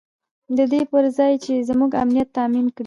د دې پر ځای چې زموږ امنیت تامین کړي.